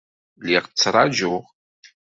Lliɣ ttṛajuɣ.